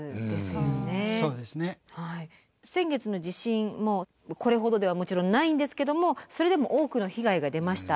先月の地震もこれほどではもちろんないんですけどもそれでも多くの被害が出ました。